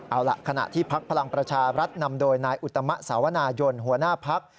เอาล่ะขณะที่พักพลังประชารัฐนำโดยนายอุตมะสาวนายนหัวหน้าพัก